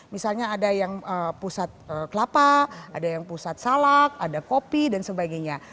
misalnya ada yang pusat kelapa ada yang pusat salak ada kopi dan sebagainya